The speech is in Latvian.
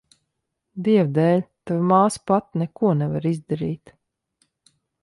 Dieva dēļ, tava māsa pati neko nevar izdarīt.